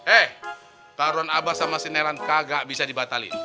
eh taruhan abah sama si nelan kagak bisa dibatalin